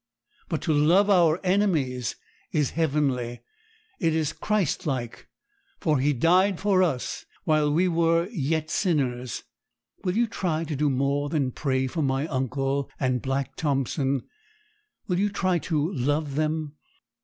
But to love our enemies is heavenly; it is Christ like, for He died for us while we were yet sinners. Will you try to do more than pray for my uncle and Black Thompson? Will you try to love them.